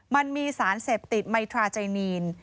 มันมีสารเสพติดไมทราไจนีน